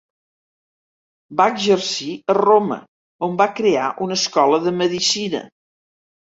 Va exercir a Roma, on va crear una escola de medicina.